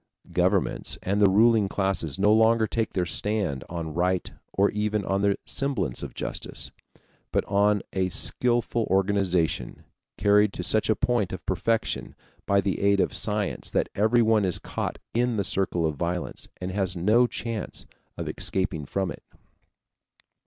Governments and the ruling classes no longer take their stand on right or even on the semblance of justice, but on a skillful organization carried to such a point of perfection by the aid of science that everyone is caught in the circle of violence and has no chance of escaping from it.